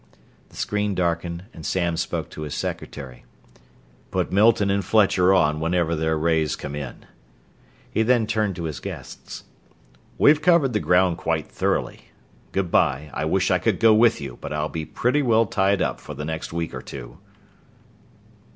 The screen darkened and Samms spoke to his secretary. "Put Milton and Fletcher on whenever their rays come in." He then turned to his guests. "We've covered the ground quite thoroughly. Good bye I wish I could go with you, but I'll be pretty well tied up for the next week or two."